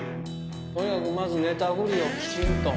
とにかくまずネタ振りをきちんと。